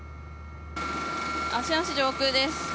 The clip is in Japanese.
芦屋市上空です。